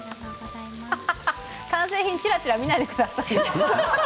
完成品をチラチラ見ないでください。